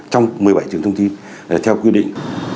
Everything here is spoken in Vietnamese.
trong một mươi bảy trường thông tin theo quy định